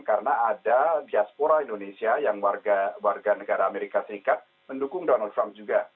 karena ada diaspora indonesia yang warga negara amerika serikat mendukung donald trump juga